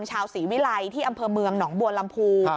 ชาวศรีวิลัยที่อำเภอเมืองหนองบัวลำพู